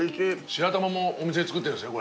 白玉もお店で作ってるんですね？